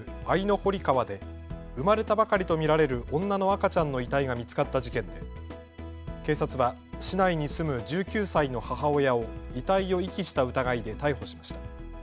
堀川で生まれたばかりと見られる女の赤ちゃんの遺体が見つかった事件で警察は市内に住む１９歳の母親を遺体を遺棄した疑いで逮捕しました。